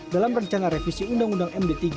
dalam rencana revisi undang undang md tiga